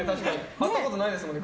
会ったことないですもんね